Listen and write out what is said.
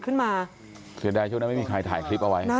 คือมันไม่ได้ออกมาครับค่ะ